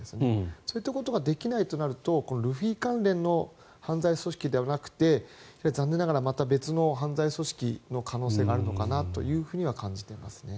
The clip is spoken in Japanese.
そういったことができないとなるとルフィ関連の犯罪組織ではなくて残念ながらまた別の犯罪組織の可能性があるのかなとは感じていますね。